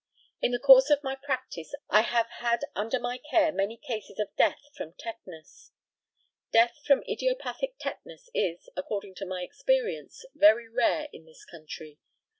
In the course of my practice I have had under my care many cases of death from tetanus. Death from idiopathic tetanus is, according to my experience, very rare in this country.